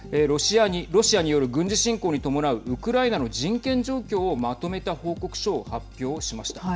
ロシアによる軍事侵攻に伴うウクライナの人権状況をまとめた報告書を発表しました。